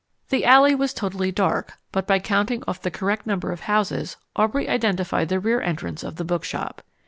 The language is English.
The alley was totally dark, but by counting off the correct number of houses Aubrey identified the rear entrance of the bookshop.